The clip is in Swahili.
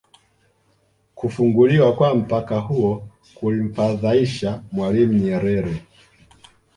Kufunguliwa kwa mpaka huo kulimfadhaisha Mwalimu Nyerere